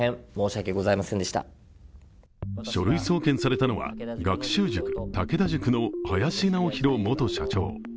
書類送検されたのは学習塾武田塾の林尚弘元社長。